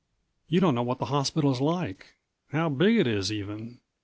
You don't know what the hospital is like how big it is, even.